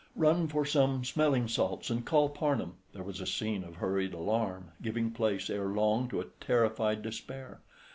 "Run for some smelling salts and call Parnham!" There was a scene of hurried alarm, giving place ere long to terrified despair.